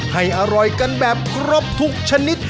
ให้อร่อยกันแบบครบทุกชนิด